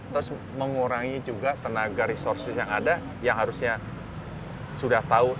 terus mengurangi juga tenaga resources yang ada yang harusnya sudah tahu